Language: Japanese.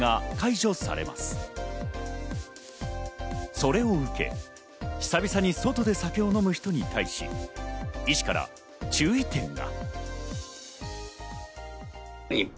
それを受け、ひさびさに外で酒を飲む人に対し、医師から注意点が。